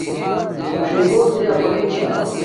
اݽی گھور تے اپناݵ چھا